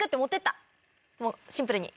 もうシンプルに。